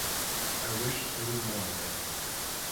I wish there was more of it.